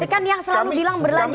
tapi kan yang selalu bilang berlanjut